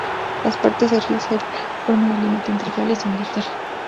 Las partes del río Severn forman el límite entre Gales e Inglaterra.